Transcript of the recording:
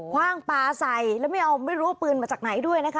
ว่างปลาใส่แล้วไม่เอาไม่รู้ว่าปืนมาจากไหนด้วยนะคะ